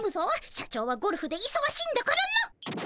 社長はゴルフでいそがしいんだからな。